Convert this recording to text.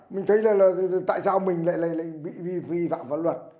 mình thấy là tại sao mình lại bị vi phạm pháp luật